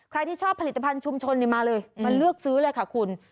ใครที่ชอบผลิตภัณฑุมชนมาเลยมาเลือกซื้อเลยค่ะคุณ